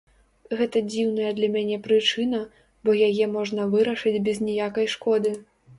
Гэта дзіўная для мяне прычына, бо яе можна вырашыць без ніякай шкоды.